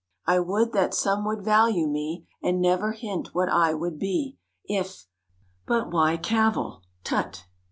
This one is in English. I would that some would value me And never hint what I would be "If" but why cavil? Tut!